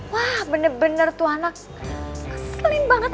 wah bener bener tuh anak sering banget